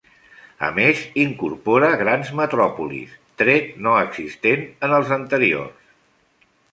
A més, incorpora grans metròpolis, tret no existent en els anteriors.